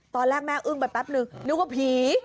ตอนแรกแม่อึ้งไปแป๊บนึงนึกว่าผี